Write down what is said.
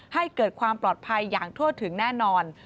ให้เกิดความปลอดภัยอย่างทั่วถึงแน่นอน